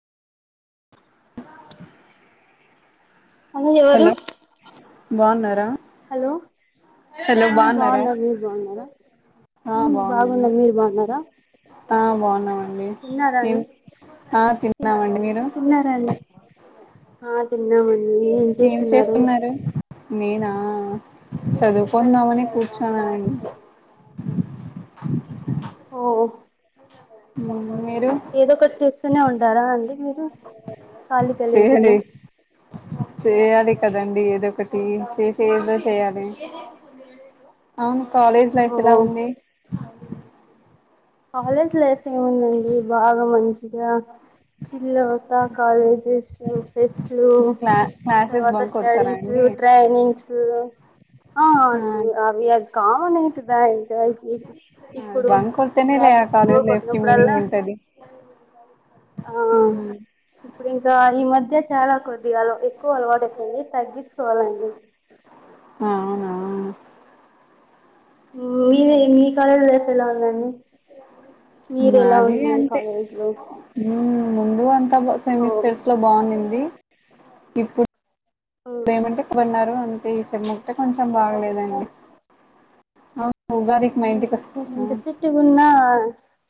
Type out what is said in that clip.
అల్లూ లేరు హలో బాగున్నారా hello hello హా బాగున్నారా బాగున్న మీర్ బాగున్నారా? ఆ ఉమ్ బాగున్న బాగున్నాను మీర్ బాగున్నారా? ఆ బాగున్నా తిన్నారాని తిన్నామండి మీరు తిన్నారాని ఏం చేస్తున్నారు నేనా ఆ చదువుకుందామని కూర్చున్నాను ఓ ఉమ్ ఏదో ఒకటి చేస్తూనే ఉంటారా అండి మీరు? కలిగ చేయాలి లేకుండా చేయాలి కదండి ఏదో ఒకటి చేసేది ఏదో చేయాలి. కాలేజ్ లైఫ్ ఎలా ఓ ఉంది? కాలేజ్ లైఫ్ ఏముందండి బాగా మంచిగా చిల్ అయిత కాలేజెస్ ఫెస్ట్ క్లూ క్లా క్లాసెస్ తర్వాత బంక్ కొడతారా స్టడీస్ అండి ట్రైనింగ్స్ ఆ అండి అవి అ కావును [unintelligible] ఇప్పుడు పోనీ లే క్లాసెస్ బోర్ కాలేజ్ లైఫ్కి మీనింగ్ కొట్టినప్పుడల్లా ఉంటది ఆ ఇప్పుడు గా ఈ మధ్య చాలా కొద్దిగాల ఎక్కువ అలవాటు అయిపోయింది తగ్గించుకోవాలండి అవునా డైలీ ఎన్ని పనులు ఎలా ఉందీ మీరు ఎలా మాది ఉండే అంతే కాలేజ్ లో ఉమ్, ముందు అం సెమిస్టర్స్ లో బాగుంన్నింది ఇప్పు ఓ ఏమంటే కొనరు అంటే స్టెమ్ము [unintelligible] కొంచెం బాగలేదండి అవును ఉగాదికి మా అమ్మో ఇంటికి ఎంత వస్తున్నావా స్టిట్టు గున్నా